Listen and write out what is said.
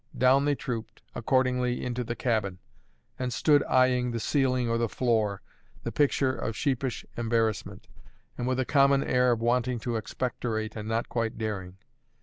Down they trooped, accordingly, into the cabin; and stood eyeing the ceiling or the floor, the picture of sheepish embarrassment, and with a common air of wanting to expectorate and not quite daring.